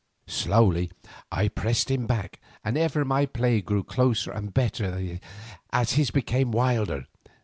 Slowly I pressed him back, and ever my play grew closer and better and his became wilder.